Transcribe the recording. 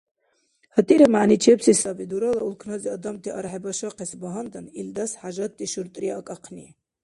ГьатӀира мягӀничебси саби дурала улкнази адамти архӀебашахъес багьандан, илдас хӀяжатти шуртӀри акӀахъни.